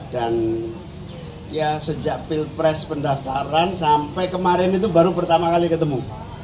dan ya sejak pilpres pendaftaran sampai kemarin itu baru pertama kali ketemu